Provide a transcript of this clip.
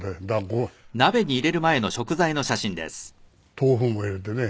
豆腐も入れてね。